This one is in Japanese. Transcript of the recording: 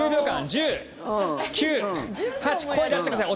１０、９、８声出してください！